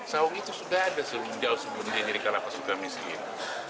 saung itu sudah ada jauh sebelum dia jadi kalapas juga miskin